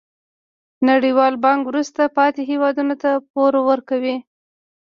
نړیوال بانک وروسته پاتې هیوادونو ته پور ورکوي.